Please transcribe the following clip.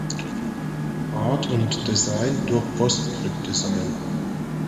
Art und Design durch PostScript Design.